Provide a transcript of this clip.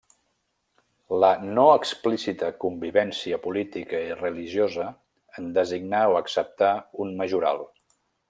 La no explícita convivència política i religiosa en designar o acceptar un majoral.